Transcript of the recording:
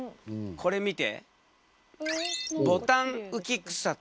これ見て。